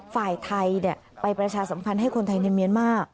ฝ่ายไทยไปประชาสัมพันธ์ให้คนไทยในเมียนมาร์